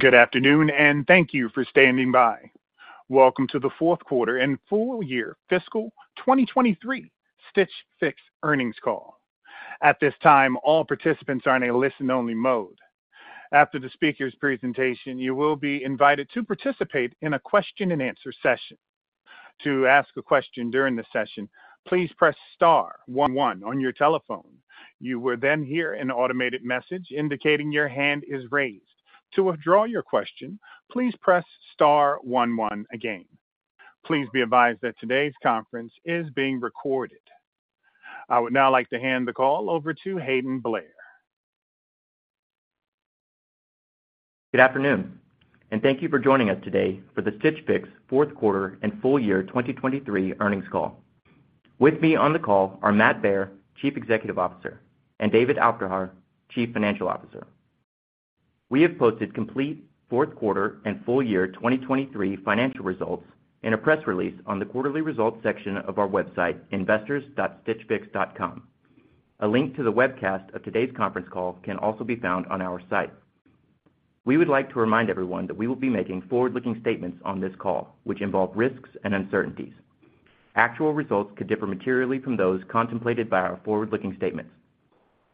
Good afternoon, and thank you for standing by. Welcome to the fourth quarter and full year fiscal 2023 Stitch Fix earnings call. At this time, all participants are in a listen-only mode. After the speaker's presentation, you will be invited to participate in a question-and-answer session. To ask a question during the session, please press star one one on your telephone. You will then hear an automated message indicating your hand is raised. To withdraw your question, please press star one one again. Please be advised that today's conference is being recorded. I would now like to hand the call over to Hayden Blair. Good afternoon, and thank you for joining us today for the Stitch Fix fourth quarter and full year 2023 earnings call. With me on the call are Matt Baer, Chief Executive Officer, and David Aufderhaar, Chief Financial Officer. We have posted complete fourth quarter and full year 2023 financial results in a press release on the quarterly results section of our website, investors.stitchfix.com. A link to the webcast of today's conference call can also be found on our site. We would like to remind everyone that we will be making forward-looking statements on this call, which involve risks and uncertainties. Actual results could differ materially from those contemplated by our forward-looking statements.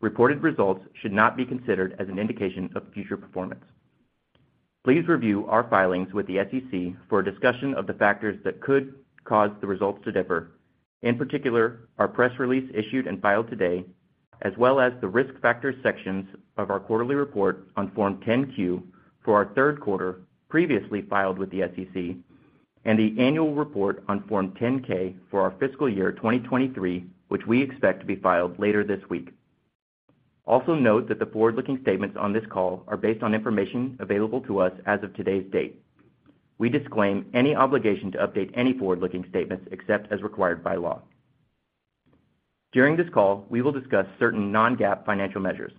Reported results should not be considered as an indication of future performance. Please review our filings with the SEC for a discussion of the factors that could cause the results to differ. In particular, our press release issued and filed today, as well as the Risk Factors sections of our quarterly report on Form 10-Q for our third quarter, previously filed with the SEC, and the annual report on Form 10-K for our fiscal year 2023, which we expect to be filed later this week. Also, note that the forward-looking statements on this call are based on information available to us as of today's date. We disclaim any obligation to update any forward-looking statements except as required by law. During this call, we will discuss certain non-GAAP financial measures.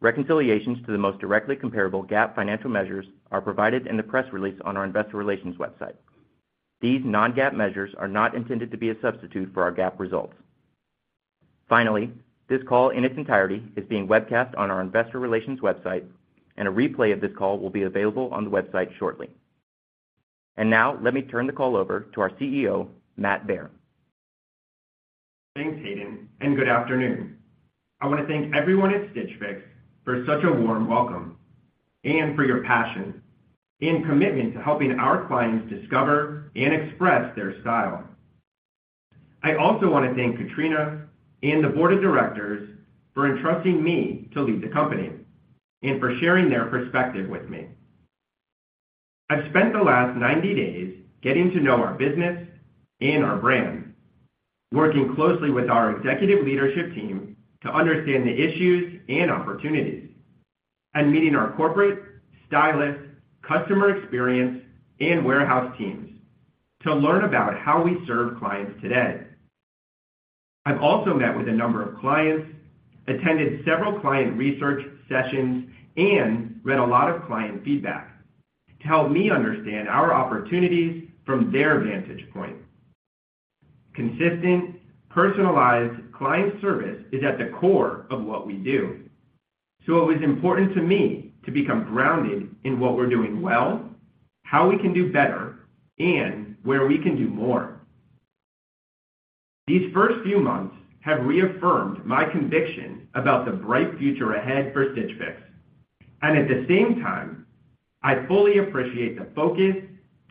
Reconciliations to the most directly comparable GAAP financial measures are provided in the press release on our investor relations website. These non-GAAP measures are not intended to be a substitute for our GAAP results. Finally, this call in its entirety is being webcast on our investor relations website, and a replay of this call will be available on the website shortly. Now, let me turn the call over to our CEO, Matt Baer. Thanks, Hayden, and good afternoon. I want to thank everyone at Stitch Fix for such a warm welcome and for your passion and commitment to helping our clients discover and express their style. I also want to thank Katrina and the board of directors for entrusting me to lead the company and for sharing their perspective with me. I've spent the last 90 days getting to know our business and our brand, working closely with our executive leadership team to understand the issues and opportunities, and meeting our corporate, stylist, customer experience, and warehouse teams to learn about how we serve clients today. I've also met with a number of clients, attended several client research sessions, and read a lot of client feedback to help me understand our opportunities from their vantage point. Consistent, personalized client service is at the core of what we do. It was important to me to become grounded in what we're doing well, how we can do better, and where we can do more. These first few months have reaffirmed my conviction about the bright future ahead for Stitch Fix, and at the same time, I fully appreciate the focus,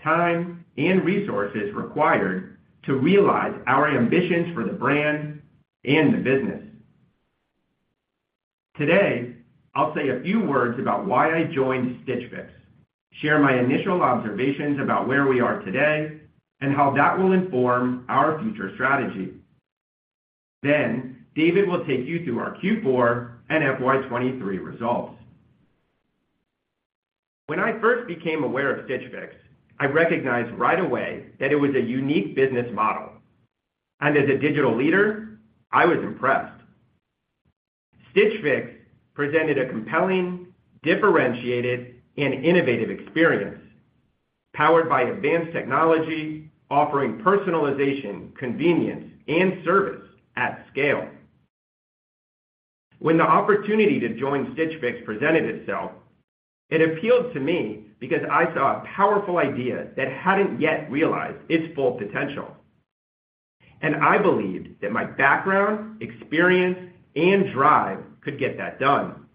time, and resources required to realize our ambitions for the brand and the business. Today, I'll say a few words about why I joined Stitch Fix, share my initial observations about where we are today, and how that will inform our future strategy. Then David will take you through our Q4 and FY 2023 results. When I first became aware of Stitch Fix, I recognized right away that it was a unique business model, and as a digital leader, I was impressed. Stitch Fix presented a compelling, differentiated, and innovative experience powered by advanced technology, offering personalization, convenience, and service at scale. When the opportunity to join Stitch Fix presented itself, it appealed to me because I saw a powerful idea that hadn't yet realized its full potential. I believed that my background, experience, and drive could get that done.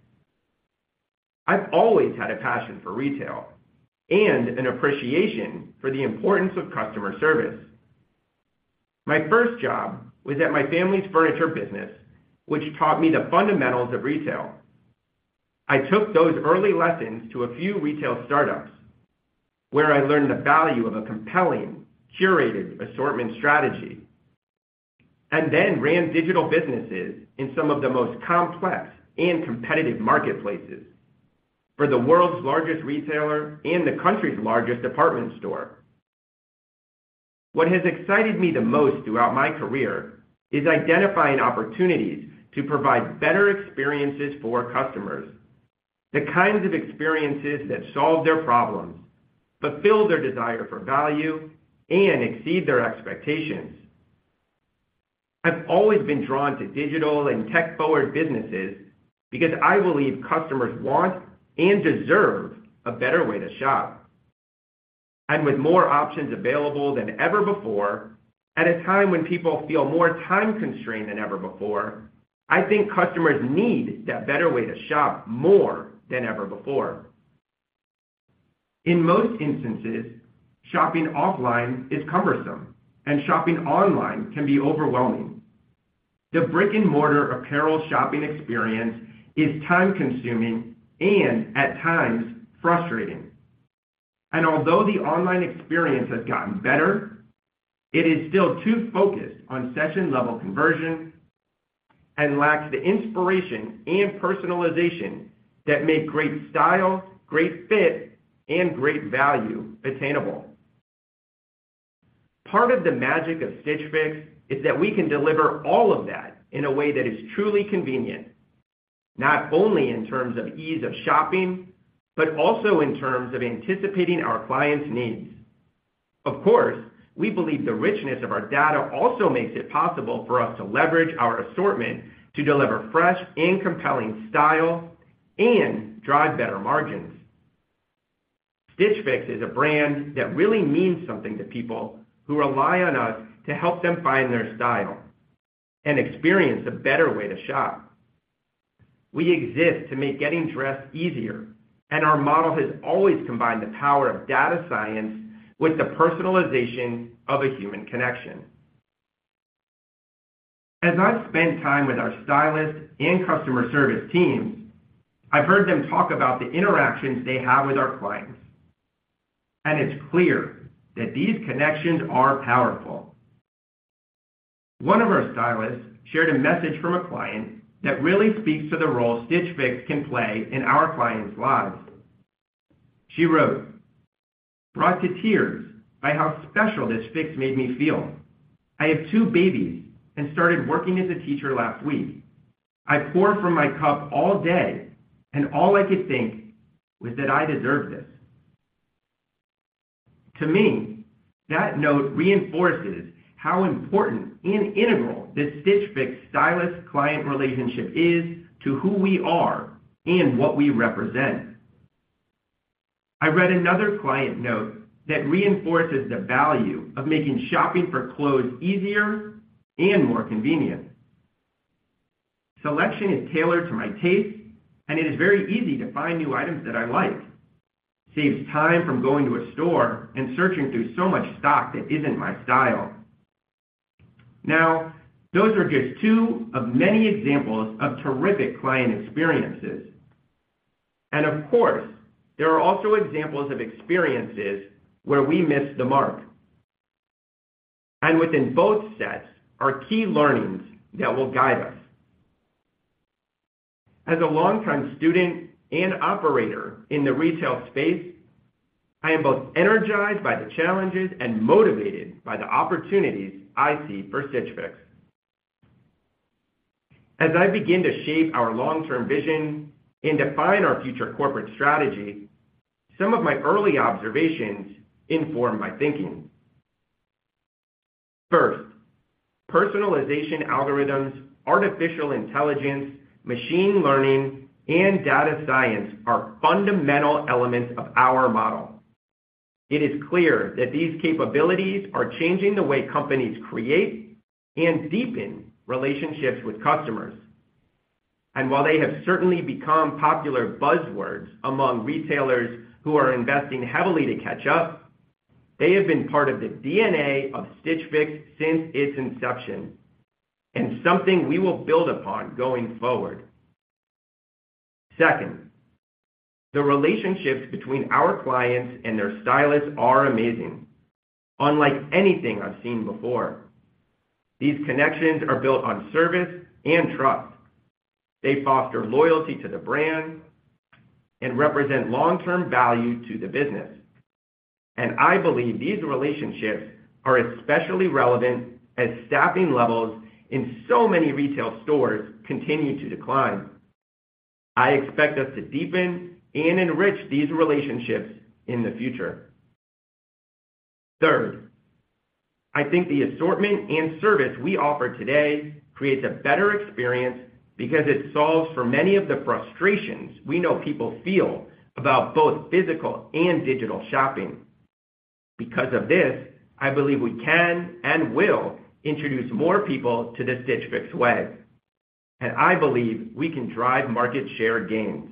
I've always had a passion for retail and an appreciation for the importance of customer service. My first job was at my family's furniture business, which taught me the fundamentals of retail. I took those early lessons to a few retail startups, where I learned the value of a compelling, curated assortment strategy, and then ran digital businesses in some of the most complex and competitive marketplaces for the world's largest retailer and the country's largest department store. What has excited me the most throughout my career is identifying opportunities to provide better experiences for customers, the kinds of experiences that solve their problems, fulfill their desire for value, and exceed their expectations.... I've always been drawn to digital and tech-forward businesses because I believe customers want and deserve a better way to shop. With more options available than ever before, at a time when people feel more time-constrained than ever before, I think customers need that better way to shop more than ever before. In most instances, shopping offline is cumbersome, and shopping online can be overwhelming. The brick-and-mortar apparel shopping experience is time-consuming and, at times, frustrating. Although the online experience has gotten better, it is still too focused on session-level conversion and lacks the inspiration and personalization that make great style, great fit, and great value attainable. Part of the magic of Stitch Fix is that we can deliver all of that in a way that is truly convenient, not only in terms of ease of shopping, but also in terms of anticipating our clients' needs. Of course, we believe the richness of our data also makes it possible for us to leverage our assortment to deliver fresh and compelling style and drive better margins. Stitch Fix is a brand that really means something to people who rely on us to help them find their style and experience a better way to shop. We exist to make getting dressed easier, and our model has always combined the power of data science with the personalization of a human connection. As I've spent time with our stylists and customer service teams, I've heard them talk about the interactions they have with our clients, and it's clear that these connections are powerful. One of our stylists shared a message from a client that really speaks to the role Stitch Fix can play in our clients' lives. She wrote, "Brought to tears by how special this Fix made me feel. I have two babies and started working as a teacher last week. I pour from my cup all day, and all I could think was that I deserve this." To me, that note reinforces how important and integral the Stitch Fix stylist-client relationship is to who we are and what we represent. I read another client note that reinforces the value of making shopping for clothes easier and more convenient. Selection is tailored to my taste, and it is very easy to find new items that I like. Saves time from going to a store and searching through so much stock that isn't my style." Now, those are just two of many examples of terrific client experiences, and of course, there are also examples of experiences where we missed the mark. Within both sets are key learnings that will guide us. As a longtime student and operator in the retail space, I am both energized by the challenges and motivated by the opportunities I see for Stitch Fix. As I begin to shape our long-term vision and define our future corporate strategy, some of my early observations inform my thinking. First, personalization algorithms, artificial intelligence, machine learning, and data science are fundamental elements of our model. It is clear that these capabilities are changing the way companies create and deepen relationships with customers. And while they have certainly become popular buzzwords among retailers who are investing heavily to catch up, they have been part of the DNA of Stitch Fix since its inception, and something we will build upon going forward. Second, the relationships between our clients and their stylists are amazing, unlike anything I've seen before. These connections are built on service and trust. They foster loyalty to the brand and represent long-term value to the business, and I believe these relationships are especially relevant as staffing levels in so many retail stores continue to decline. I expect us to deepen and enrich these relationships in the future. Third, I think the assortment and service we offer today creates a better experience because it solves for many of the frustrations we know people feel about both physical and digital shopping. Because of this, I believe we can and will introduce more people to the Stitch Fix way, and I believe we can drive market share gains.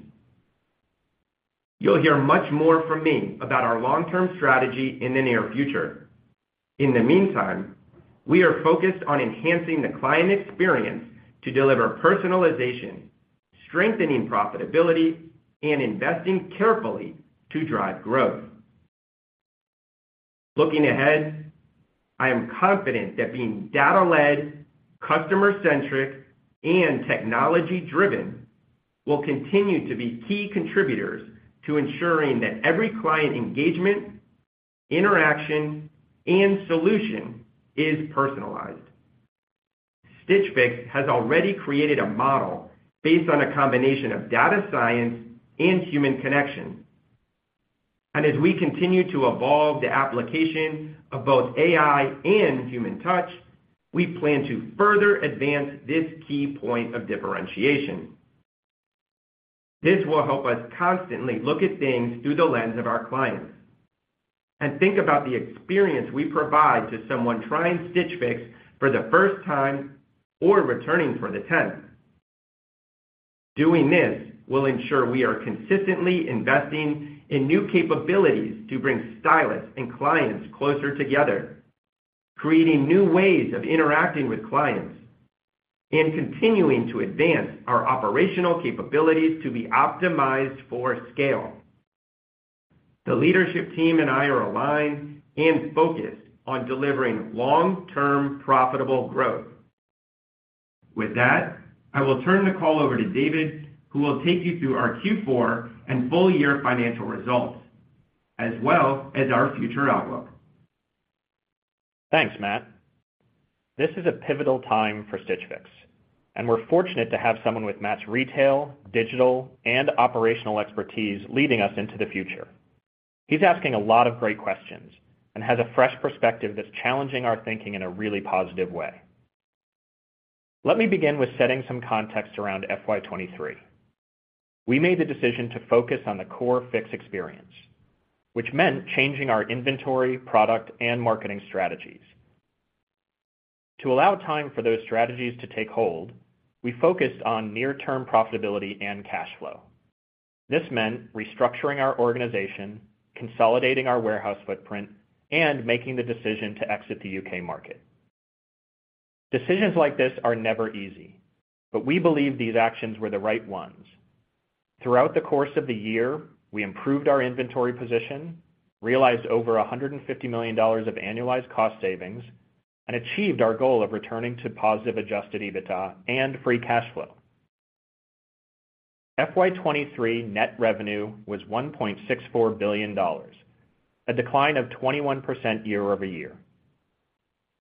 You'll hear much more from me about our long-term strategy in the near future. In the meantime, we are focused on enhancing the client experience to deliver personalization, strengthening profitability, and investing carefully to drive growth. Looking ahead, I am confident that being data-led, customer-centric, and technology-driven will continue to be key contributors to ensuring that every client engagement, interaction, and solution is personalized. Stitch Fix has already created a model based on a combination of data science and human connection. As we continue to evolve the application of both AI and human touch, we plan to further advance this key point of differentiation. This will help us constantly look at things through the lens of our clients and think about the experience we provide to someone trying Stitch Fix for the first time or returning for the tenth. Doing this will ensure we are consistently investing in new capabilities to bring stylists and clients closer together, creating new ways of interacting with clients, and continuing to advance our operational capabilities to be optimized for scale. The leadership team and I are aligned and focused on delivering long-term, profitable growth. With that, I will turn the call over to David, who will take you through our Q4 and full year financial results, as well as our future outlook. Thanks, Matt. This is a pivotal time for Stitch Fix, and we're fortunate to have someone with Matt's retail, digital, and operational expertise leading us into the future. He's asking a lot of great questions and has a fresh perspective that's challenging our thinking in a really positive way. Let me begin with setting some context around FY 2023. We made the decision to focus on the core Fix experience, which meant changing our inventory, product, and marketing strategies. To allow time for those strategies to take hold, we focused on near-term profitability and cash flow. This meant restructuring our organization, consolidating our warehouse footprint, and making the decision to exit the U.K. market. Decisions like this are never easy, but we believe these actions were the right ones. Throughout the course of the year, we improved our inventory position, realized over $150 million of annualized cost savings, and achieved our goal of returning to positive adjusted EBITDA and free cash flow. FY 2023 net revenue was $1.64 billion, a decline of 21% year-over-year.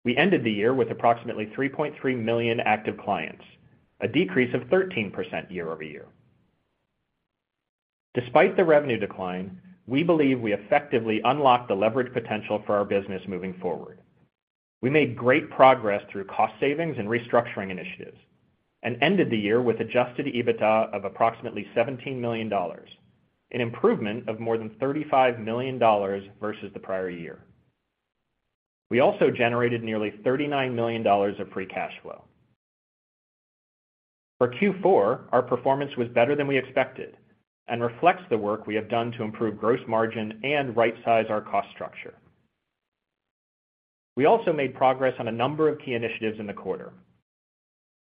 We ended the year with approximately 3.3 million active clients, a decrease of 13% year-over-year. Despite the revenue decline, we believe we effectively unlocked the leverage potential for our business moving forward. We made great progress through cost savings and restructuring initiatives and ended the year with adjusted EBITDA of approximately $17 million, an improvement of more than $35 million versus the prior year. We also generated nearly $39 million of free cash flow. For Q4, our performance was better than we expected and reflects the work we have done to improve gross margin and rightsize our cost structure. We also made progress on a number of key initiatives in the quarter.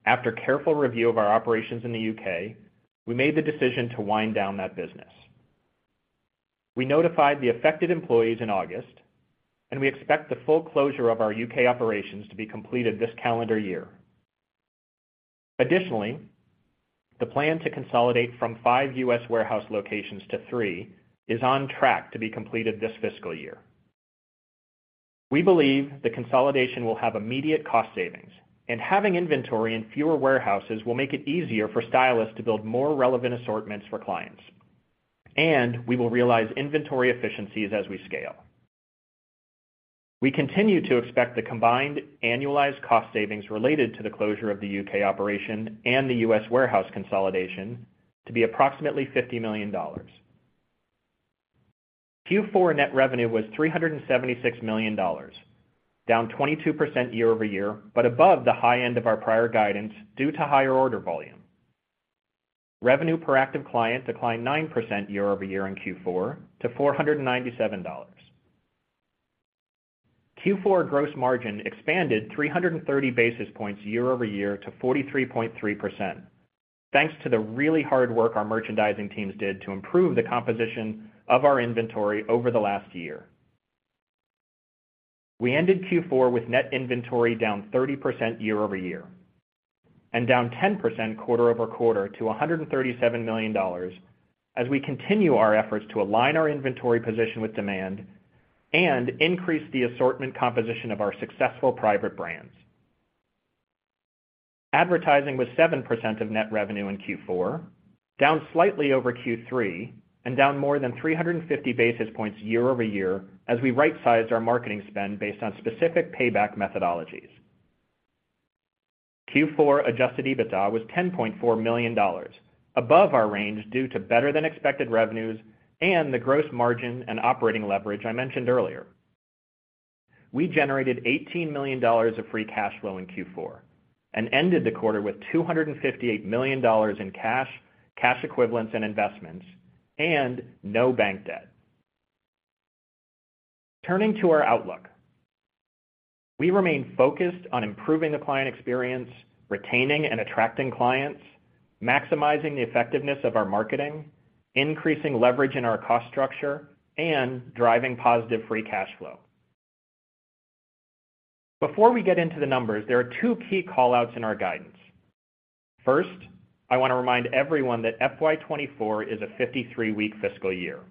After careful review of our operations in the U.K., we made the decision to wind down that business. We notified the affected employees in August, and we expect the full closure of our U.K. operations to be completed this calendar year. Additionally, the plan to consolidate from five U.S. warehouse locations to three is on track to be completed this fiscal year. We believe the consolidation will have immediate cost savings, and having inventory in fewer warehouses will make it easier for stylists to build more relevant assortments for clients, and we will realize inventory efficiencies as we scale. We continue to expect the combined annualized cost savings related to the closure of the U.K. operation and the U.S. warehouse consolidation to be approximately $50 million. Q4 net revenue was $376 million, down 22% year-over-year, but above the high end of our prior guidance due to higher order volume. Revenue per active client declined 9% year-over-year in Q4 to $497. Q4 gross margin expanded 330 basis points year-over-year to 43.3%, thanks to the really hard work our merchandising teams did to improve the composition of our inventory over the last year. We ended Q4 with net inventory down 30% year-over-year and down 10% quarter-over-quarter to $137 million as we continue our efforts to align our inventory position with demand and increase the assortment composition of our successful private brands. Advertising was 7% of net revenue in Q4, down slightly over Q3 and down more than 350 basis points year-over-year as we rightsized our marketing spend based on specific payback methodologies. Q4 adjusted EBITDA was $10.4 million, above our range due to better-than-expected revenues and the gross margin and operating leverage I mentioned earlier. We generated $18 million of free cash flow in Q4 and ended the quarter with $258 million in cash, cash equivalents and investments, and no bank debt. Turning to our outlook. We remain focused on improving the client experience, retaining and attracting clients, maximizing the effectiveness of our marketing, increasing leverage in our cost structure, and driving positive free cash flow. Before we get into the numbers, there are two key call-outs in our guidance. First, I want to remind everyone that FY 2024 is a 53-week fiscal year.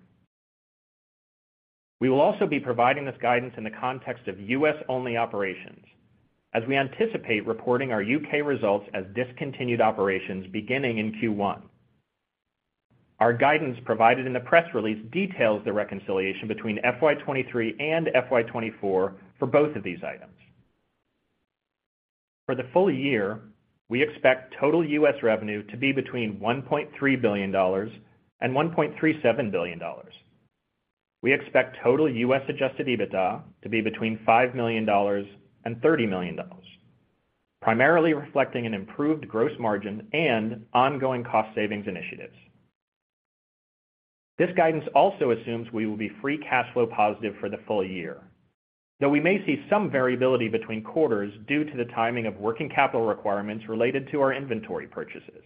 We will also be providing this guidance in the context of U.S.-only operations, as we anticipate reporting our U.K. results as discontinued operations beginning in Q1. Our guidance provided in the press release details the reconciliation between FY 2023 and FY 2024 for both of these items. For the full year, we expect total U.S. revenue to be between $1.3 billion and $1.37 billion. We expect total U.S. adjusted EBITDA to be between $5 million and $30 million, primarily reflecting an improved gross margin and ongoing cost savings initiatives. This guidance also assumes we will be free cash flow positive for the full year, though we may see some variability between quarters due to the timing of working capital requirements related to our inventory purchases.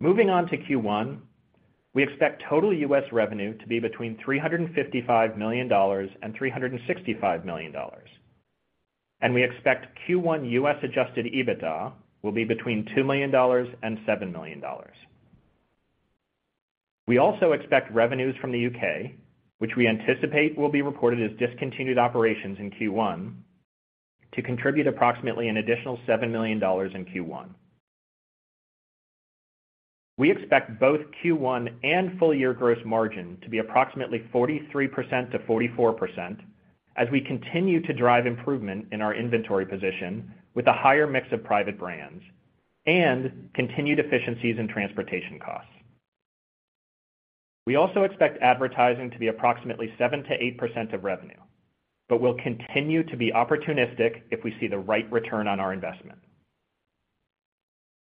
Moving on to Q1, we expect total U.S. revenue to be between $355 million and $365 million, and we expect Q1 U.S. adjusted EBITDA will be between $2 million and $7 million. We also expect revenues from the U.K., which we anticipate will be reported as discontinued operations in Q1, to contribute approximately an additional $7 million in Q1. We expect both Q1 and full year gross margin to be approximately 43%-44%, as we continue to drive improvement in our inventory position with a higher mix of private brands and continued efficiencies in transportation costs. We also expect advertising to be approximately 7%-8% of revenue, but will continue to be opportunistic if we see the right return on our investment.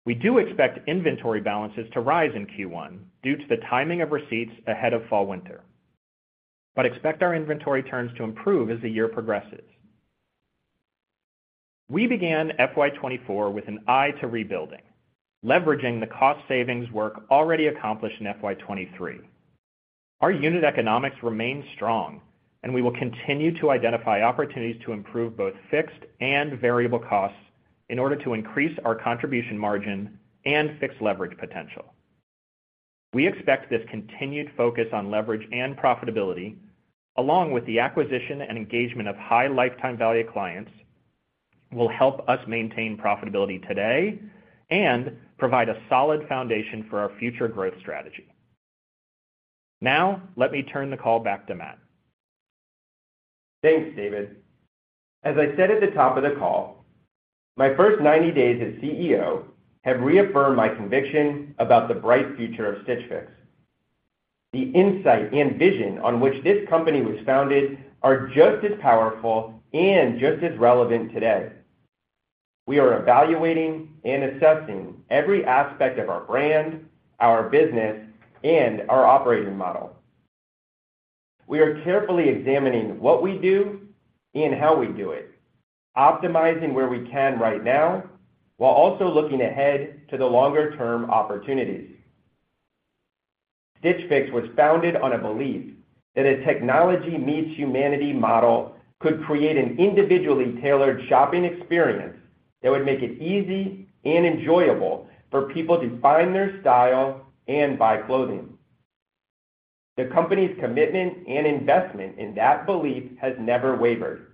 We do expect inventory balances to rise in Q1 due to the timing of receipts ahead of fall/winter, but expect our inventory turns to improve as the year progresses. We began FY 2024 with an eye to rebuilding, leveraging the cost savings work already accomplished in FY 2023. Our unit economics remain strong, and we will continue to identify opportunities to improve both fixed and variable costs in order to increase our contribution margin and fixed leverage potential. We expect this continued focus on leverage and profitability, along with the acquisition and engagement of high lifetime value clients, will help us maintain profitability today and provide a solid foundation for our future growth strategy. Now, let me turn the call back to Matt. Thanks, David. As I said at the top of the call, my first 90 days as CEO have reaffirmed my conviction about the bright future of Stitch Fix. The insight and vision on which this company was founded are just as powerful and just as relevant today. We are evaluating and assessing every aspect of our brand, our business, and our operating model. We are carefully examining what we do and how we do it, optimizing where we can right now, while also looking ahead to the longer-term opportunities. Stitch Fix was founded on a belief that a technology meets humanity model could create an individually tailored shopping experience that would make it easy and enjoyable for people to find their style and buy clothing. The company's commitment and investment in that belief has never wavered.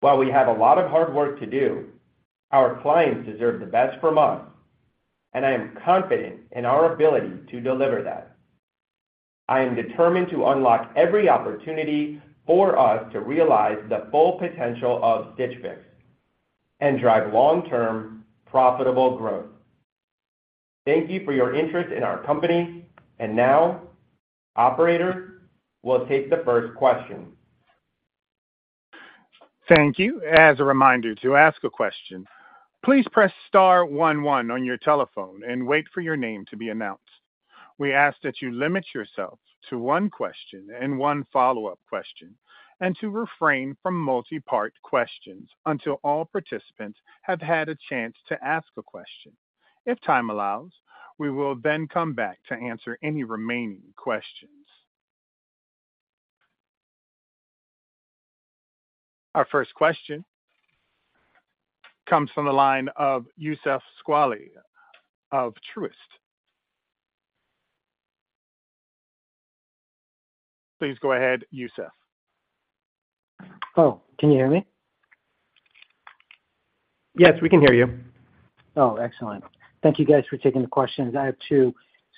While we have a lot of hard work to do, our clients deserve the best from us, and I am confident in our ability to deliver that. I am determined to unlock every opportunity for us to realize the full potential of Stitch Fix and drive long-term, profitable growth. Thank you for your interest in our company. Now, operator, we'll take the first question. Thank you. As a reminder, to ask a question, please press star one, one on your telephone and wait for your name to be announced. We ask that you limit yourself to one question and one follow-up question, and to refrain from multi-part questions until all participants have had a chance to ask a question. If time allows, we will then come back to answer any remaining questions. Our first question comes from the line of Youssef Squali of Truist. Please go ahead, Youssef. Oh, can you hear me? Yes, we can hear you. Oh, excellent. Thank you guys for taking the questions. I have two.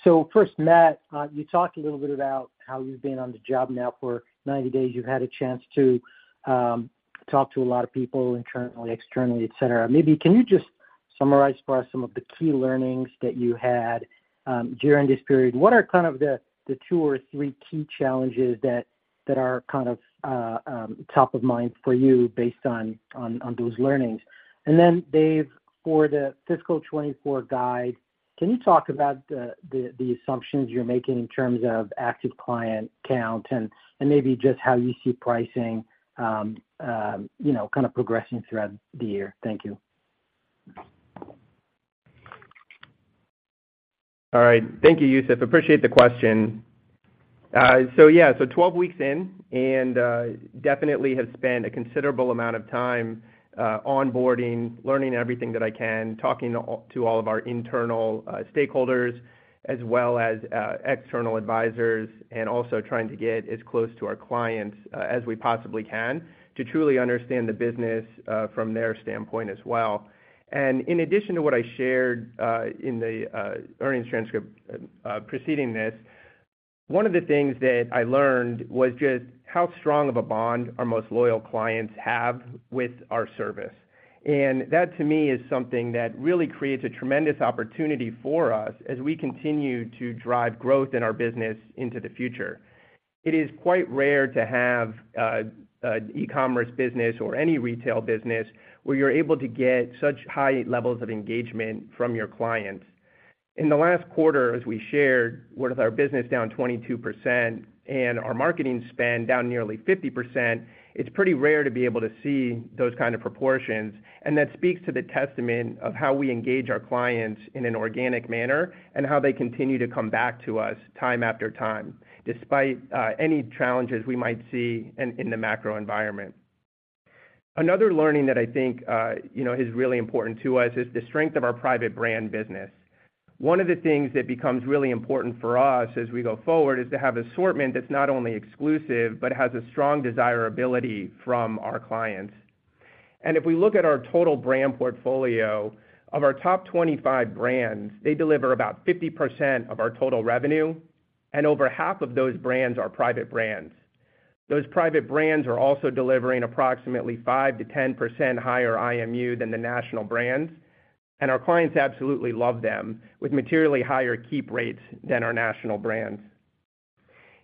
So first, Matt, you talked a little bit about how you've been on the job now for 90 days. You've had a chance to talk to a lot of people internally, externally, et cetera. Maybe can you just summarize for us some of the key learnings that you had during this period? What are kind of the two or three key challenges that are kind of top of mind for you based on those learnings? And then, Dave, for the fiscal 2024 guide, can you talk about the assumptions you're making in terms of active client count and maybe just how you see pricing, you know, kind of progressing throughout the year? Thank you.... All right. Thank you, Youssef. Appreciate the question. So yeah, so 12 weeks in, and definitely have spent a considerable amount of time onboarding, learning everything that I can, talking to all, to all of our internal stakeholders, as well as external advisors, and also trying to get as close to our clients as, as we possibly can to truly understand the business from their standpoint as well. And in addition to what I shared in the earnings transcript preceding this, one of the things that I learned was just how strong of a bond our most loyal clients have with our service. And that, to me, is something that really creates a tremendous opportunity for us as we continue to drive growth in our business into the future. It is quite rare to have a e-commerce business or any retail business where you're able to get such high levels of engagement from your clients. In the last quarter, as we shared, with our business down 22% and our marketing spend down nearly 50%, it's pretty rare to be able to see those kind of proportions, and that speaks to the testament of how we engage our clients in an organic manner, and how they continue to come back to us time after time, despite any challenges we might see in the macro environment. Another learning that I think, you know, is really important to us is the strength of our private brand business. One of the things that becomes really important for us as we go forward is to have assortment that's not only exclusive, but has a strong desirability from our clients. If we look at our total brand portfolio, of our top 25 brands, they deliver about 50% of our total revenue, and over half of those brands are private brands. Those private brands are also delivering approximately 5%-10% higher IMU than the national brands, and our clients absolutely love them, with materially higher keep rates than our national brands.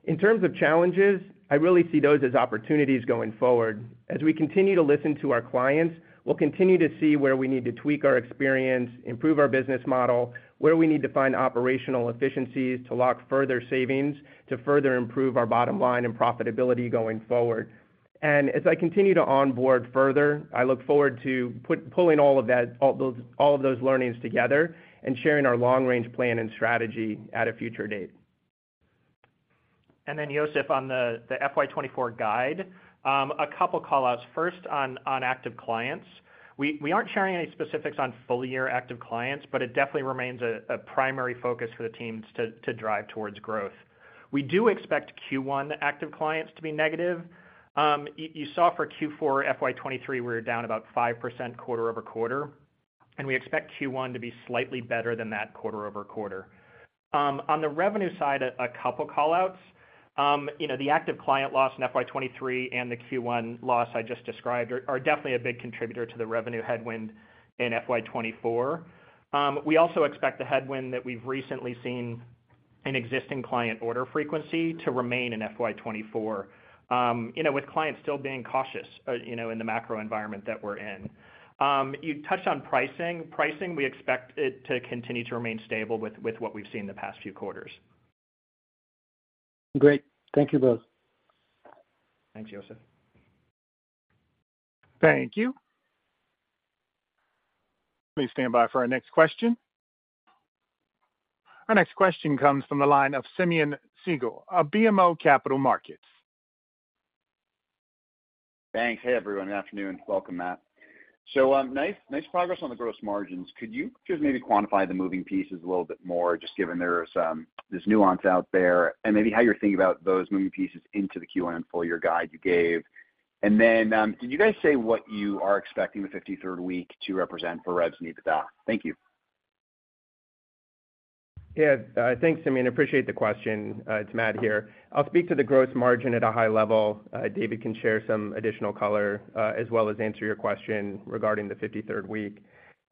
In terms of challenges, I really see those as opportunities going forward. As we continue to listen to our clients, we'll continue to see where we need to tweak our experience, improve our business model, where we need to find operational efficiencies to lock further savings, to further improve our bottom line and profitability going forward. As I continue to onboard further, I look forward to pulling all of that, all those, all of those learnings together and sharing our long-range plan and strategy at a future date. Then, Youssef, on the FY 2024 guide, a couple call-outs. First, on active clients. We aren't sharing any specifics on full-year active clients, but it definitely remains a primary focus for the teams to drive towards growth. We do expect Q1 active clients to be negative. You saw for Q4 FY 2023, we were down about 5% quarter-over-quarter, and we expect Q1 to be slightly better than that quarter-over-quarter. On the revenue side, a couple call-outs. You know, the active client loss in FY 2023 and the Q1 loss I just described are definitely a big contributor to the revenue headwind in FY 2024. We also expect the headwind that we've recently seen in existing client order frequency to remain in FY 2024, you know, with clients still being cautious, you know, in the macro environment that we're in. You touched on pricing. Pricing, we expect it to continue to remain stable with what we've seen in the past few quarters. Great. Thank you both. Thanks, Youssef. Thank you. Please stand by for our next question. Our next question comes from the line of Simeon Siegel of BMO Capital Markets. Thanks. Hey, everyone. Good afternoon. Welcome, Matt. So, nice, nice progress on the gross margins. Could you just maybe quantify the moving pieces a little bit more, just given there are some, there's nuance out there, and maybe how you're thinking about those moving pieces into the Q1 full year guide you gave? And then, did you guys say what you are expecting the 53rd week to represent for revenue to back? Thank you. Yeah, thanks, Simeon. I appreciate the question. It's Matt here. I'll speak to the gross margin at a high level. David can share some additional color, as well as answer your question regarding the 53rd week.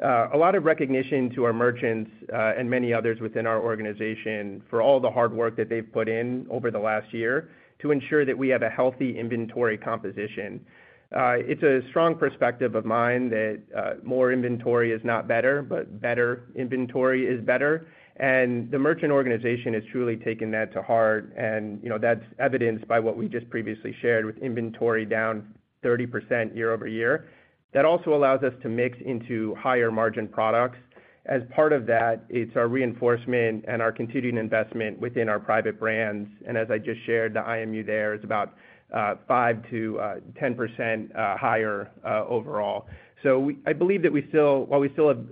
A lot of recognition to our merchants, and many others within our organization for all the hard work that they've put in over the last year to ensure that we have a healthy inventory composition. It's a strong perspective of mine that, more inventory is not better, but better inventory is better. And the merchant organization has truly taken that to heart, and, you know, that's evidenced by what we just previously shared with inventory down 30% year-over-year. That also allows us to mix into higher margin products. As part of that, it's our reinforcement and our continuing investment within our private brands, and as I just shared, the IMU there is about 5%-10% higher overall. So, I believe that while we still have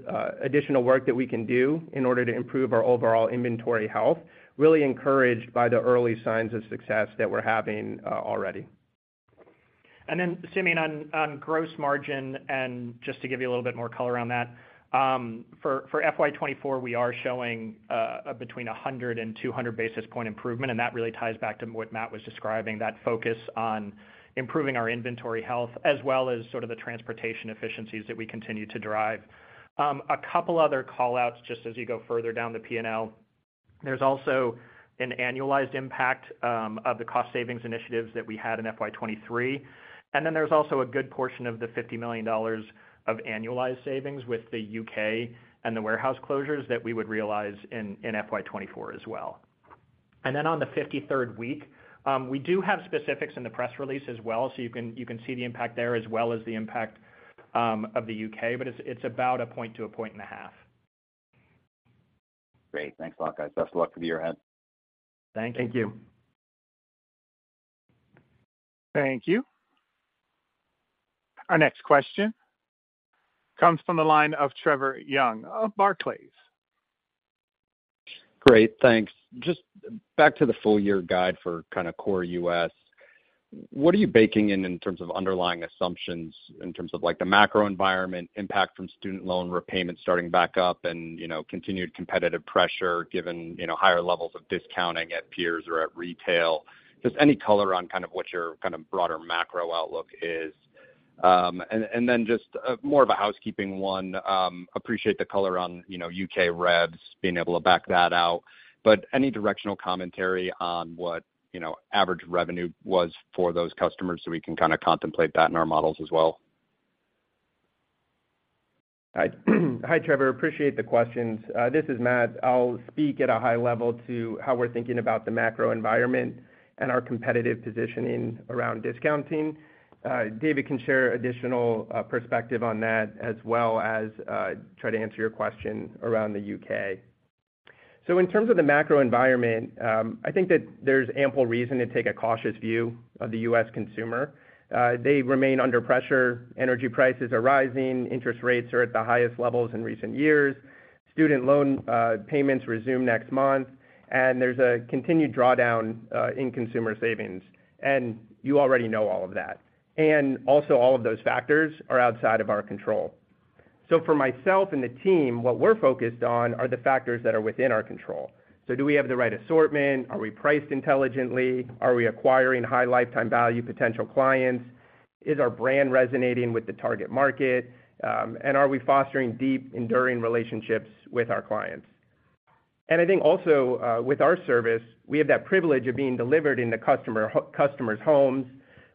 additional work that we can do in order to improve our overall inventory health, really encouraged by the early signs of success that we're having already. And then Simeon, on gross margin, and just to give you a little bit more color on that, for FY 2024, we are showing between 100 and 200 basis point improvement, and that really ties back to what Matt was describing, that focus on improving our inventory health, as well as sort of the transportation efficiencies that we continue to drive. A couple other call-outs, just as you go further down the P&L. There's also an annualized impact of the cost savings initiatives that we had in FY 2023. And then there's also a good portion of the $50 million of annualized savings with the U.K. and the warehouse closures that we would realize in FY 2024 as well. And then on the 53rd week, we do have specifics in the press release as well. So you can, you can see the impact there as well as the impact of the U.K., but it's, it's about a point to 1.5 points. Great. Thanks a lot, guys. Best of luck for the year ahead. Thank you. Thank you. Thank you. Our next question comes from the line of Trevor Young of Barclays. Great, thanks. Just back to the full year guide for kind of core U.S. What are you baking in, in terms of underlying assumptions, in terms of, like, the macro environment, impact from student loan repayments starting back up and, you know, continued competitive pressure, given, you know, higher levels of discounting at peers or at retail? Just any color on kind of what your kind of broader macro outlook is. And then just, more of a housekeeping one, appreciate the color on, you know, U.K. revs, being able to back that out. But any directional commentary on what, you know, average revenue was for those customers, so we can kind of contemplate that in our models as well? Hi, hi, Trevor. Appreciate the questions. This is Matt. I'll speak at a high level to how we're thinking about the macro environment and our competitive positioning around discounting. David can share additional perspective on that as well as try to answer your question around the U.K. So in terms of the macro environment, I think that there's ample reason to take a cautious view of the U.S. consumer. They remain under pressure. Energy prices are rising, interest rates are at the highest levels in recent years. Student loan payments resume next month, and there's a continued drawdown in consumer savings, and you already know all of that. And also, all of those factors are outside of our control. So for myself and the team, what we're focused on are the factors that are within our control. So do we have the right assortment? Are we priced intelligently? Are we acquiring high lifetime value potential clients? Is our brand resonating with the target market? And are we fostering deep, enduring relationships with our clients? And I think also, with our service, we have that privilege of being delivered in the customer's homes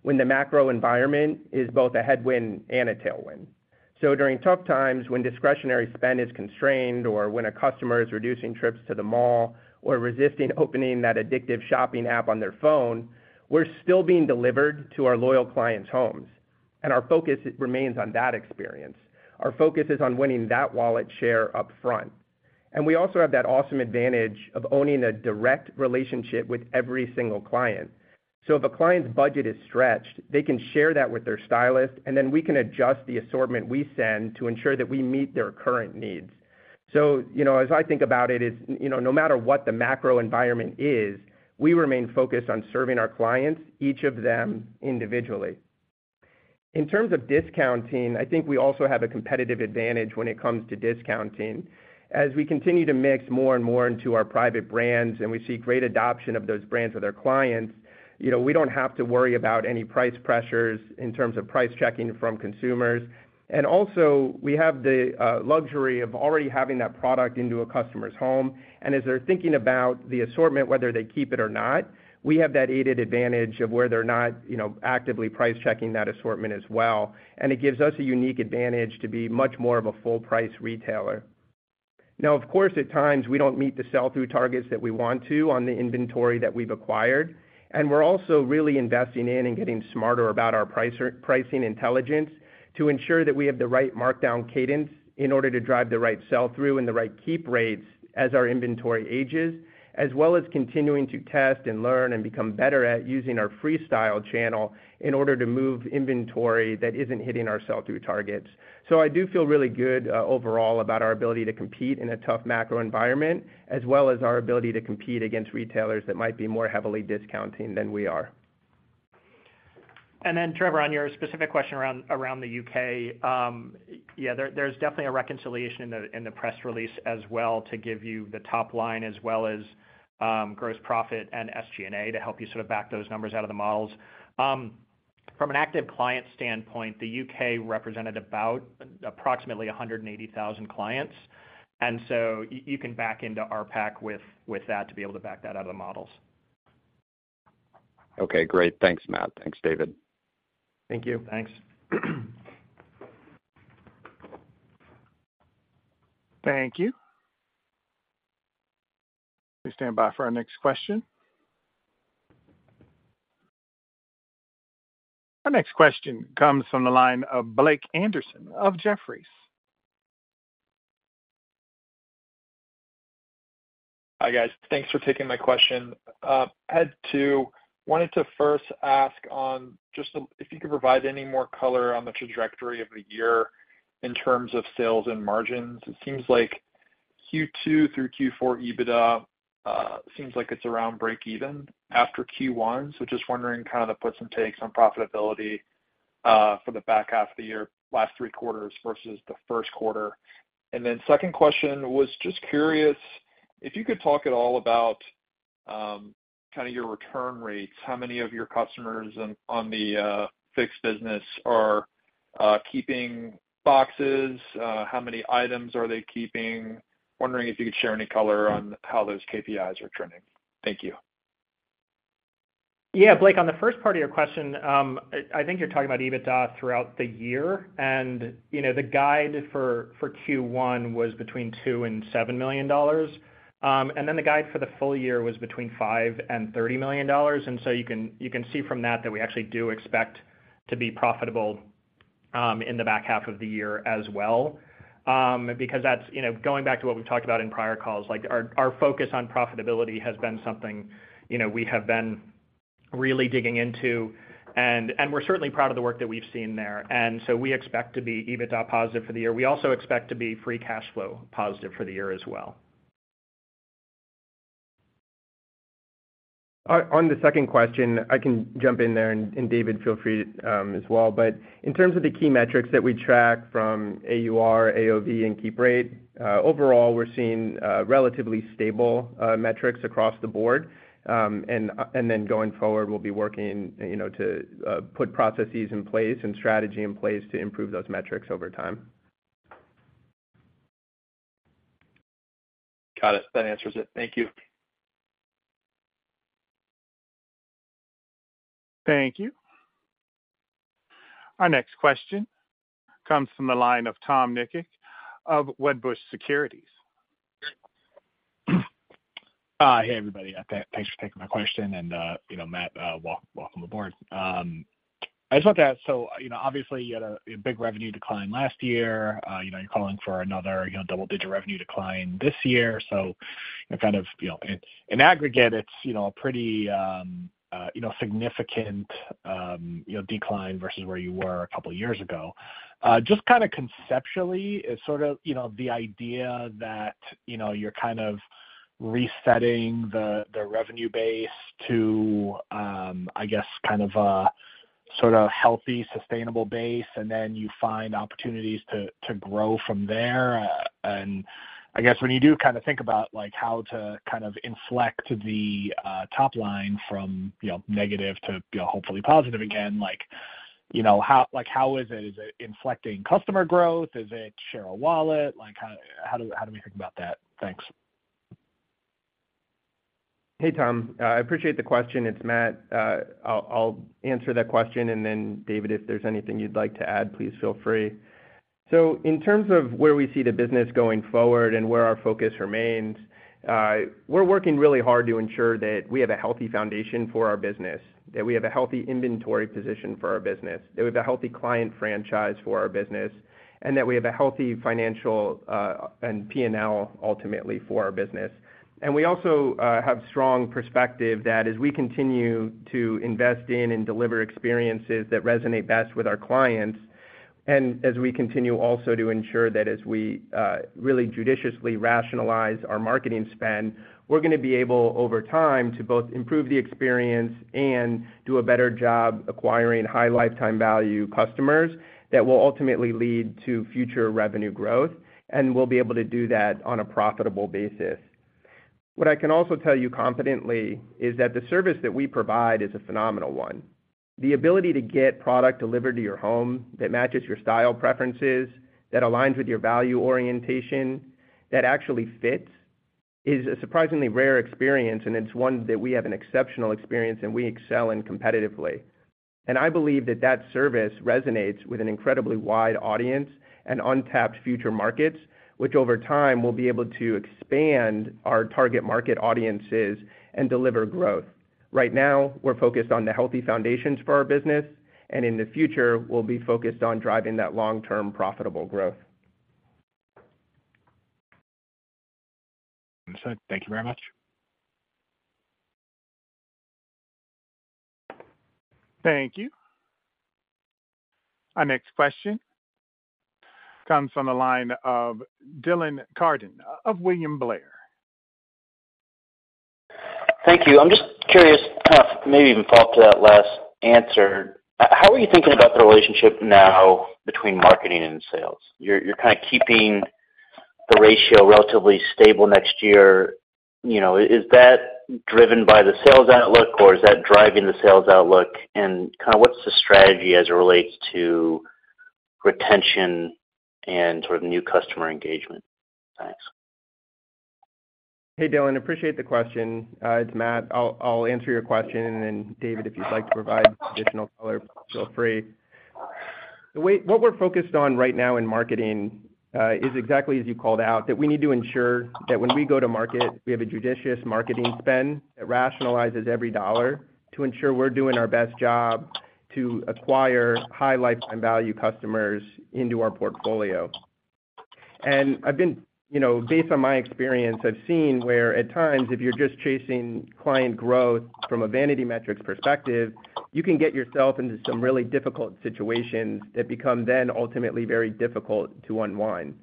when the macro environment is both a headwind and a tailwind. So during tough times when discretionary spend is constrained or when a customer is reducing trips to the mall or resisting opening that addictive shopping app on their phone, we're still being delivered to our loyal clients' homes, and our focus remains on that experience. Our focus is on winning that wallet share upfront. And we also have that awesome advantage of owning a direct relationship with every single client. So if a client's budget is stretched, they can share that with their stylist, and then we can adjust the assortment we send to ensure that we meet their current needs. So, you know, as I think about it, you know, no matter what the macro environment is, we remain focused on serving our clients, each of them individually. In terms of discounting, I think we also have a competitive advantage when it comes to discounting. As we continue to mix more and more into our private Brands, and we see great adoption of those brands with our clients, you know, we don't have to worry about any price pressures in terms of price checking from consumers. And also, we have the luxury of already having that product into a customer's home. As they're thinking about the assortment, whether they keep it or not, we have that added advantage of where they're not, you know, actively price checking that assortment as well. It gives us a unique advantage to be much more of a full-price retailer. Now, of course, at times, we don't meet the sell-through targets that we want to on the inventory that we've acquired, and we're also really investing in and getting smarter about our pricing intelligence to ensure that we have the right markdown cadence in order to drive the right sell-through and the right keep rates as our inventory ages, as well as continuing to test and learn and become better at using our Freestyle channel in order to move inventory that isn't hitting our sell-through targets. I do feel really good, overall about our ability to compete in a tough macro environment, as well as our ability to compete against retailers that might be more heavily discounting than we are. And then, Trevor, on your specific question around the U.K., yeah, there, there's definitely a reconciliation in the press release as well to give you the top line, as well as, gross profit and SG&A, to help you sort of back those numbers out of the models. From an active client standpoint, the U.K. represented about approximately 180,000 clients, and so you can back into our RPAC with that to be able to back that out of the models. Okay, great. Thanks, Matt. Thanks, David. Thank you. Thanks. Thank you. Please stand by for our next question. Our next question comes from the line of Blake Anderson of Jefferies. Hi, guys. Thanks for taking my question. Wanted to first ask on just if you could provide any more color on the trajectory of the year in terms of sales and margins. It seems like Q2 through Q4 EBITDA seems like it's around breakeven after Q1. So just wondering kind of the puts and takes on profitability for the back half of the year, last three quarters versus the first quarter. And then second question, was just curious if you could talk at all about kind of your return rates, how many of your customers on the Fix business are keeping boxes? How many items are they keeping? Wondering if you could share any color on how those KPIs are trending. Thank you.... Yeah, Blake, on the first part of your question, I think you're talking about EBITDA throughout the year, and, you know, the guide for Q1 was between $2 million and $7 million. And then the guide for the full year was between $5 million and $30 million. And so you can see from that that we actually do expect to be profitable in the back half of the year as well. Because that's, you know, going back to what we've talked about in prior calls, like our focus on profitability has been something, you know, we have been really digging into, and we're certainly proud of the work that we've seen there. And so we expect to be EBITDA positive for the year. We also expect to be free cash flow positive for the year as well. On the second question, I can jump in there, and David, feel free as well. But in terms of the key metrics that we track from AUR, AOV, and keep rate, overall, we're seeing relatively stable metrics across the board. And then going forward, we'll be working, you know, to put processes in place and strategy in place to improve those metrics over time. Got it. That answers it. Thank you. Thank you. Our next question comes from the line of Tom Nikic of Wedbush Securities. Hey, everybody. Thanks for taking my question, and, you know, Matt, welcome aboard. I just want to ask, so, you know, obviously, you had a big revenue decline last year. You know, you're calling for another, you know, double-digit revenue decline this year. So kind of, you know, in aggregate, it's, you know, a pretty significant decline versus where you were a couple of years ago. Just kinda conceptually, is sort of, you know, the idea that, you know, you're kind of resetting the revenue base to, I guess, kind of a sort of healthy, sustainable base, and then you find opportunities to grow from there? I guess when you do kinda think about, like, how to kind of inflect the top line from, you know, negative to, you know, hopefully positive again, like, you know, how, like, how is it? Is it inflecting customer growth? Is it share of wallet? Like, how do we think about that? Thanks. Hey, Tom, I appreciate the question. It's Matt. I'll answer that question, and then David, if there's anything you'd like to add, please feel free. So in terms of where we see the business going forward and where our focus remains, we're working really hard to ensure that we have a healthy foundation for our business, that we have a healthy inventory position for our business, that we have a healthy client franchise for our business, and that we have a healthy financial, and P&L, ultimately, for our business. We also have strong perspective that as we continue to invest in and deliver experiences that resonate best with our clients, and as we continue also to ensure that as we really judiciously rationalize our marketing spend, we're gonna be able, over time, to both improve the experience and do a better job acquiring high lifetime value customers, that will ultimately lead to future revenue growth, and we'll be able to do that on a profitable basis. What I can also tell you confidently is that the service that we provide is a phenomenal one. The ability to get product delivered to your home, that matches your style preferences, that aligns with your value orientation, that actually fits, is a surprisingly rare experience, and it's one that we have an exceptional experience, and we excel in competitively. I believe that that service resonates with an incredibly wide audience and untapped future markets, which over time will be able to expand our target market audiences and deliver growth. Right now, we're focused on the healthy foundations for our business, and in the future, we'll be focused on driving that long-term profitable growth. Understood. Thank you very much. Thank you. Our next question comes from the line of Dylan Carden of William Blair. Thank you. I'm just curious, maybe even follow to that last answer. How are you thinking about the relationship now between marketing and sales? You're, you're kind of keeping the ratio relatively stable next year. You know, is that driven by the sales outlook, or is that driving the sales outlook? And kinda what's the strategy as it relates to retention and sort of new customer engagement? Thanks. Hey, Dylan, appreciate the question. It's Matt. I'll, I'll answer your question, and then David, if you'd like to provide additional color, feel free. What we're focused on right now in marketing is exactly as you called out, that we need to ensure that when we go to market, we have a judicious marketing spend that rationalizes every dollar, to ensure we're doing our best job to acquire high lifetime value customers into our portfolio. And I've been... You know, based on my experience, I've seen where at times, if you're just chasing client growth from a vanity metrics perspective, you can get yourself into some really difficult situations that become then ultimately very difficult to unwind.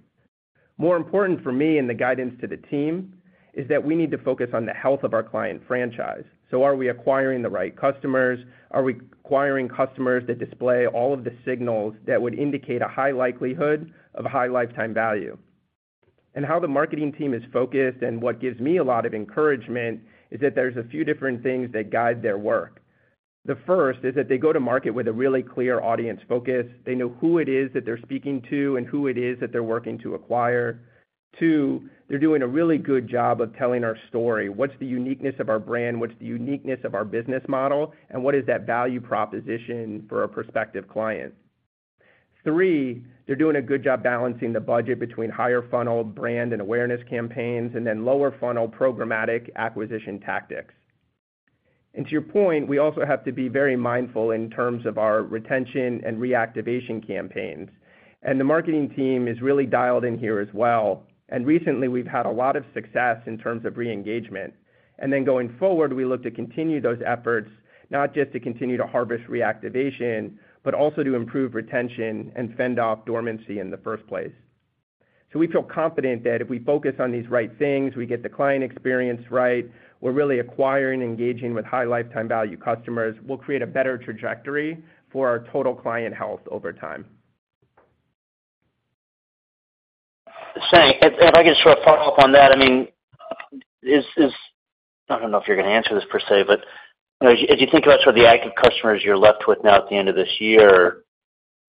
More important for me and the guidance to the team is that we need to focus on the health of our client franchise. So are we acquiring the right customers? Are we acquiring customers that display all of the signals that would indicate a high likelihood of high lifetime value? And how the marketing team is focused, and what gives me a lot of encouragement, is that there's a few different things that guide their work. The first is that they go to market with a really clear audience focus. They know who it is that they're speaking to and who it is that they're working to acquire.... Two, they're doing a really good job of telling our story. What's the uniqueness of our brand? What's the uniqueness of our business model, and what is that value proposition for a prospective client? Three, they're doing a good job balancing the budget between higher funnel brand and awareness campaigns, and then lower funnel programmatic acquisition tactics. To your point, we also have to be very mindful in terms of our retention and reactivation campaigns. The marketing team is really dialed in here as well. Recently, we've had a lot of success in terms of re-engagement. Then going forward, we look to continue those efforts, not just to continue to harvest reactivation, but also to improve retention and fend off dormancy in the first place. So we feel confident that if we focus on these right things, we get the client experience right, we're really acquiring, engaging with high lifetime value customers, we'll create a better trajectory for our total client health over time. If I could just sort of follow up on that, I mean, I don't know if you're going to answer this per se, but, you know, as you think about sort of the active customers you're left with now at the end of this year,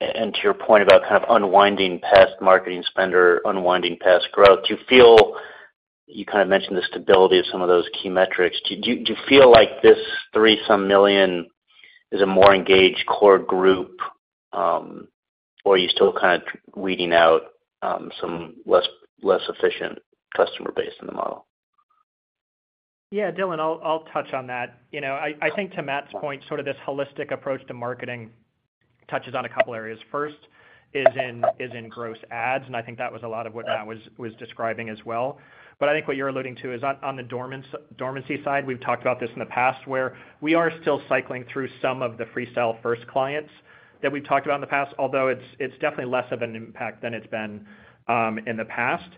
and to your point about kind of unwinding past marketing spend or unwinding past growth, do you feel, you kind of mentioned the stability of some of those key metrics. Do you feel like this three-some million is a more engaged core group, or are you still kind of weeding out, some less efficient customer base in the model? Yeah, Dylan, I'll touch on that. You know, I think to Matt's point, sort of this holistic approach to marketing touches on a couple areas. First, is in gross adds, and I think that was a lot of what Matt was describing as well. But I think what you're alluding to is on the dormancy side, we've talked about this in the past, where we are still cycling through some of the Freestyle first clients that we've talked about in the past, although it's definitely less of an impact than it's been in the past.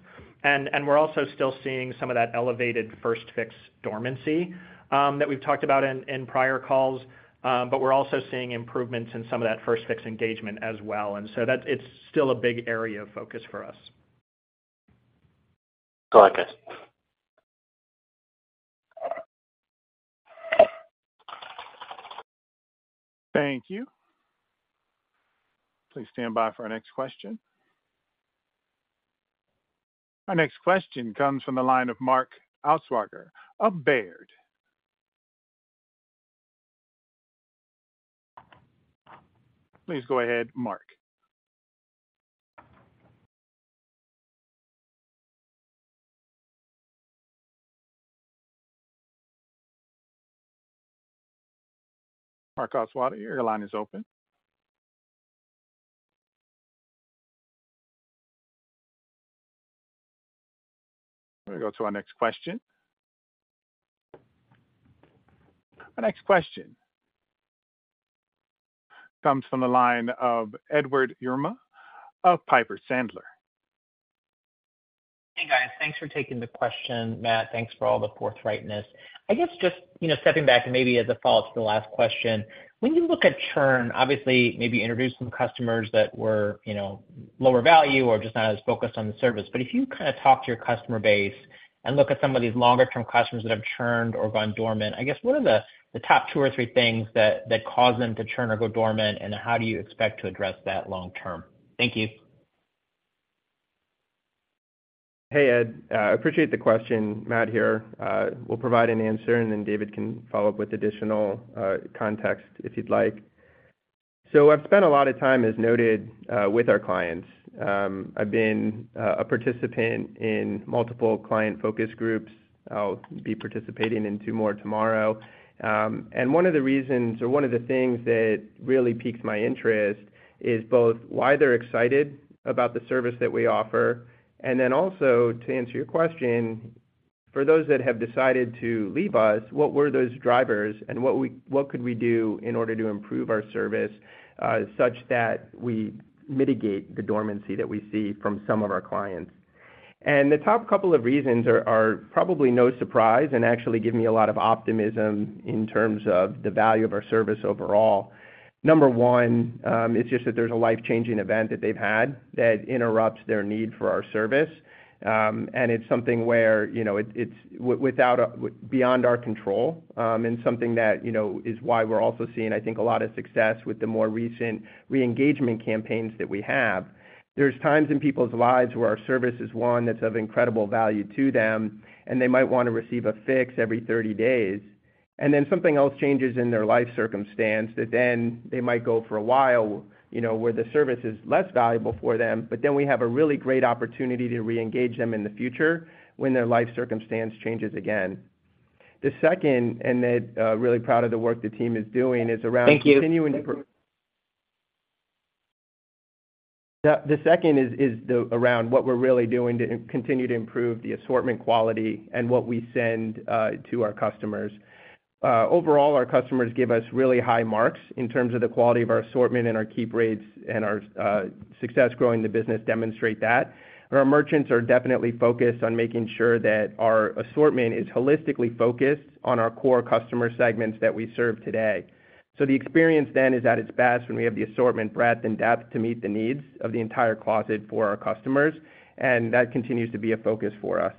And we're also still seeing some of that elevated first Fix dormancy that we've talked about in prior calls, but we're also seeing improvements in some of that first Fix engagement as well. And so it's still a big area of focus for us. Got it. Thank you. Please stand by for our next question. Our next question comes from the line of Mark Altschwager of Baird. Please go ahead, Mark. Mark Altschwager, your line is open. We're going to go to our next question. Our next question comes from the line of Edward Yruma of Piper Sandler. Hey, guys. Thanks for taking the question. Matt, thanks for all the forthrightness. I guess just, you know, stepping back and maybe as a follow-up to the last question, when you look at churn, obviously, maybe introduce some customers that were, you know, lower value or just not as focused on the service. But if you kind of talk to your customer base and look at some of these longer-term customers that have churned or gone dormant, I guess, what are the top two or three things that cause them to churn or go dormant, and how do you expect to address that long term? Thank you. Hey, Ed, I appreciate the question. Matt here. We'll provide an answer, and then David can follow up with additional context, if you'd like. So I've spent a lot of time, as noted, with our clients. I've been a participant in multiple client focus groups. I'll be participating in two more tomorrow. And one of the reasons or one of the things that really piques my interest is both why they're excited about the service that we offer, and then also, to answer your question, for those that have decided to leave us, what were those drivers and what we-- what could we do in order to improve our service, such that we mitigate the dormancy that we see from some of our clients? And the top couple of reasons are probably no surprise and actually give me a lot of optimism in terms of the value of our service overall. Number one, it's just that there's a life-changing event that they've had that interrupts their need for our service, and it's something where, you know, it's beyond our control, and something that, you know, is why we're also seeing, I think, a lot of success with the more recent re-engagement campaigns that we have. There's times in people's lives where our service is one that's of incredible value to them, and they might want to receive a fix every 30 days. And then something else changes in their life circumstance that then they might go for a while, you know, where the service is less valuable for them. But then we have a really great opportunity to re-engage them in the future when their life circumstance changes again. The second, and that, really proud of the work the team is doing, is around- Thank you. The second is around what we're really doing to continue to improve the assortment quality and what we send to our customers. Overall, our customers give us really high marks in terms of the quality of our assortment and our keep rates and our success growing the business demonstrate that. Our merchants are definitely focused on making sure that our assortment is holistically focused on our core customer segments that we serve today. So the experience then is at its best when we have the assortment, breadth and depth to meet the needs of the entire closet for our customers, and that continues to be a focus for us. ...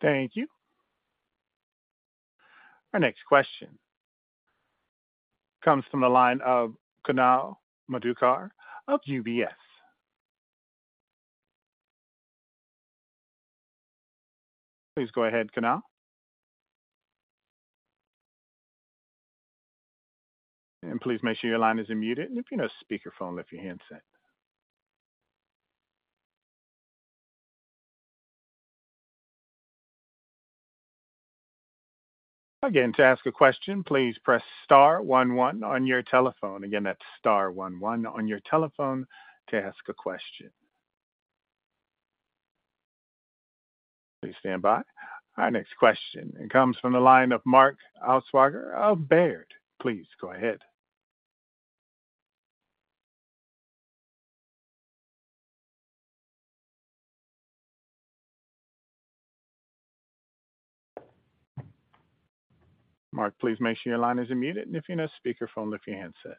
Thank you. Our next question comes from the line of Kunal Madhukar of UBS. Please go ahead, Kunal. And please make sure your line is unmuted, and if you know, speakerphone, lift your handset. Again, to ask a question, please press star one one on your telephone. Again, that's star one one on your telephone to ask a question. Please stand by. Our next question comes from the line of Mark Altschwager of Baird. Please go ahead. Mark, please make sure your line is unmuted, and if you know speakerphone, lift your handset.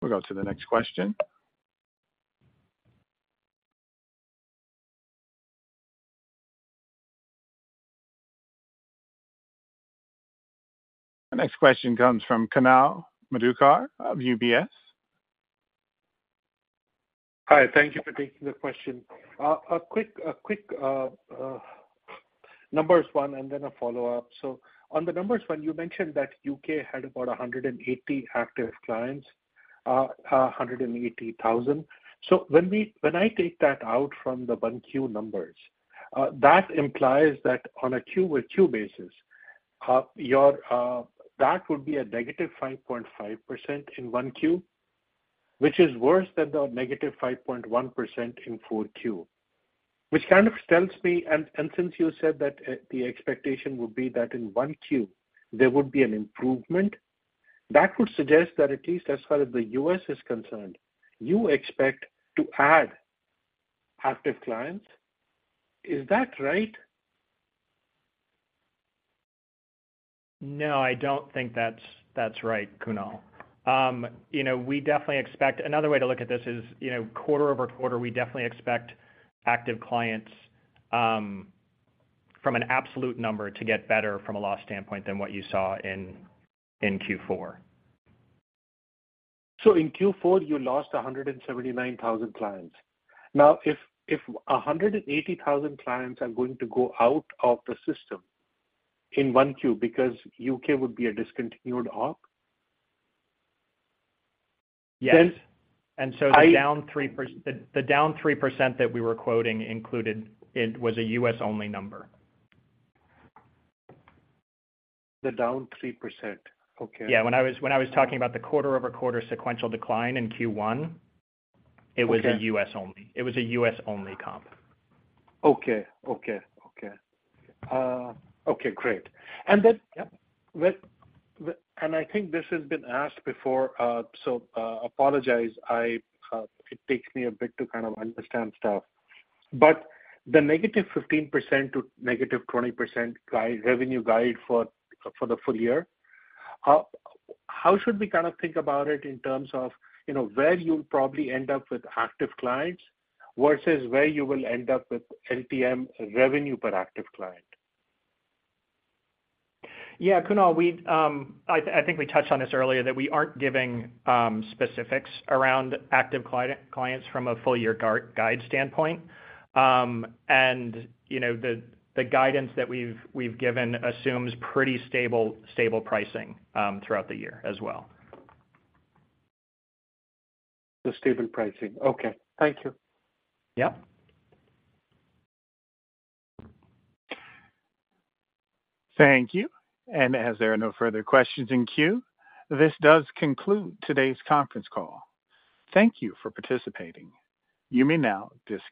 We'll go to the next question. The next question comes from Kunal Madhukar of UBS. Hi, thank you for taking the question. A quick numbers one, and then a follow-up. So on the numbers one, you mentioned that U.K. had about 180 active clients, 180,000. So when I take that out from the 1Q numbers, that implies that on a quarter-over-quarter basis, that would be a -5.5% in 1Q, which is worse than the -5.1% in 4Q. Which kind of tells me, and since you said that the expectation would be that in 1Q, there would be an improvement, that would suggest that at least as far as the U.S. is concerned, you expect to add active clients. Is that right? No, I don't think that's, that's right, Kunal. You know, we definitely expect... Another way to look at this is, you know, quarter-over-quarter, we definitely expect active clients, from an absolute number, to get better from a loss standpoint than what you saw in Q4. So in Q4, you lost 179,000 clients. Now, if, if 180,000 clients are going to go out of the system in 1Q because U.K. would be a discontinued arc- Yes. Then I- And so the down 3%, the down 3% that we were quoting included, it was a U.S.-only number. The down 3%. Okay. Yeah. When I was talking about the quarter-over-quarter sequential decline in Q1- Okay. It was a U.S. only. It was a U.S.-only comp. Okay. Okay. Okay. Okay, great. And then- Yeah. I think this has been asked before, so I apologize. It takes me a bit to kind of understand stuff. But the -15% to -20% guide, revenue guide for the full year, how should we kind of think about it in terms of, you know, where you'll probably end up with active clients versus where you will end up with NPM revenue per active client? Yeah, Kunal, we, I think we touched on this earlier, that we aren't giving specifics around active client, clients from a full year guide standpoint. You know, the guidance that we've given assumes pretty stable pricing throughout the year as well. The stable pricing. Okay. Thank you. Yep. Thank you. As there are no further questions in queue, this does conclude today's conference call. Thank you for participating. You may now disconnect.